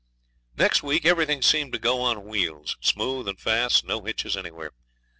Next week everything seemed to go on wheels smooth and fast, no hitches anywhere.